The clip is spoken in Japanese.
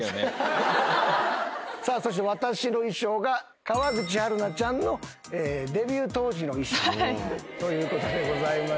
さあそして私の衣装が川口春奈ちゃんのデビュー当時の衣装ということでございまして。